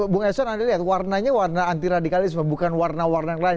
bung eson anda lihat warnanya warna anti radikalisme bukan warna warna yang lain